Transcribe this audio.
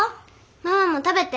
ママも食べて。